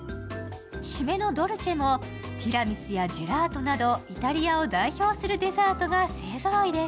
締めのドルチェもティラミスやジェラートなどイタリアを代表するデザートが勢ぞろいです。